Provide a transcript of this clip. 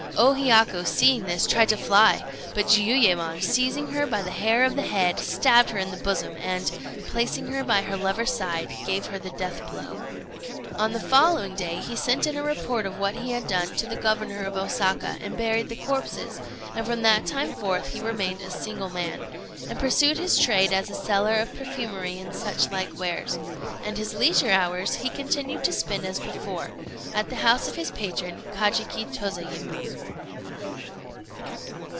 O Hiyaku, seeing this, tried to fly; but Jiuyémon, seizing her by the hair of the head, stabbed her in the bosom, and, placing her by her lover's side, gave her the death blow. [Illustration: JIUYÉMON PUNISHES HIS WIFE AND THE WRESTLER.] On the following day, he sent in a report of what he had done to the governor of Osaka, and buried the corpses; and from that time forth he remained a single man, and pursued his trade as a seller of perfumery and such like wares; and his leisure hours he continued to spend as before, at the house of his patron, Kajiki Tozayémon.